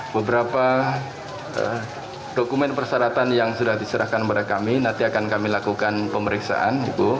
beberapa dokumen persyaratan yang sudah diserahkan kepada kami nanti akan kami lakukan pemeriksaan